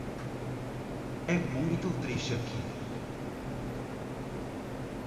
É muito triste aqui.